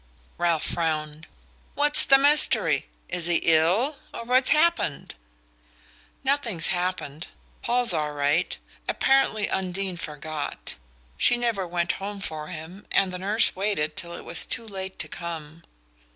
Ralph frowned. "What's the mystery? Is he ill, or what's happened?" "Nothing's happened Paul's all right. Apparently Undine forgot. She never went home for him, and the nurse waited till it was too late to come."